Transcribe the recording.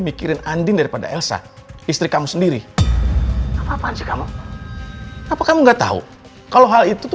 mikirin andien daripada elsa istri kamu sendiri apa apaan kamu apa kamu nggak tahu kalau hal itu